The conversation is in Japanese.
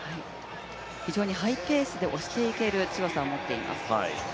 非常にハイペースでおしていける強さを持っています。